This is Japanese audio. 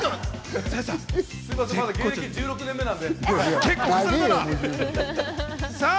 まだ芸歴１６年目なので。